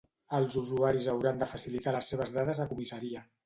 Els usuaris hauran de facilitar les seves dades a comissaria.